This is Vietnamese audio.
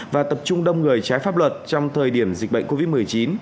và tập trung đông người trái pháp luật trong thời điểm dịch bệnh covid một mươi chín